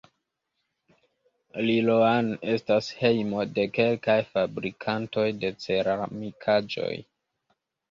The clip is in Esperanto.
Liloan estas hejmo de kelkaj fabrikantoj de ceramikaĵoj.